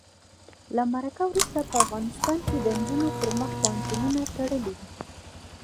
له مرګه وروسته په افغانستان کې د نجونو پر مخ پوهنتونونه تړلي دي.